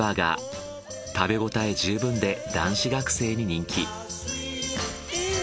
食べ応え十分で男子学生に人気。